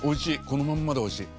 このまんまで美味しい。